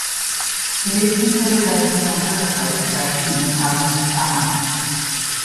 It is considered as the center of rice production in the province of Samar.